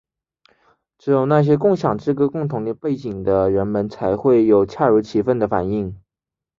只有那些共享这个共同背景的人们才会有恰如其分的反应。